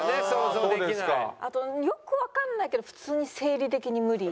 あとよくわかんないけど普通に生理的に無理。